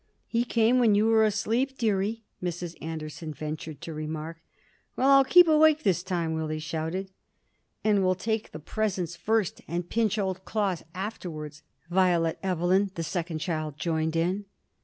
"He came when you were asleep, dearie," Mrs. Anderson ventured to remark. "Well! I'll keep awake this time!" Willie shouted. "And we'll take the presents first and pinch old Claus afterwards," Violet Evelyn, the second child, joined in.